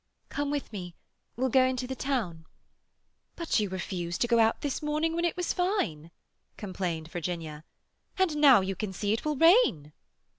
"Come with me. We'll go into the town." "But you refused to go out this morning when it was fine," complained Virginia. "And now you can see it will rain."